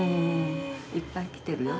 いっぱい来てるよ。